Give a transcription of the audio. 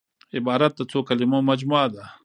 عبارت د څو کليمو مجموعه ده.